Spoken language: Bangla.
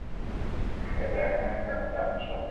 এটা এখানে কেন টানছো?